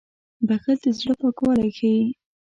• بښل د زړه پاکوالی ښيي.